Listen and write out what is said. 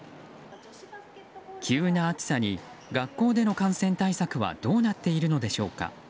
急な暑さに、学校での感染対策はどうなっているのでしょうか。